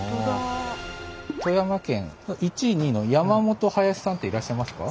富山県１位２位の山本林さんっていらっしゃいますか？